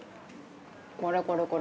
これこれこれ。